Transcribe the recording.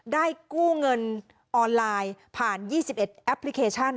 กู้เงินออนไลน์ผ่าน๒๑แอปพลิเคชัน